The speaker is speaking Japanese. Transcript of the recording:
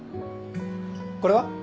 これは？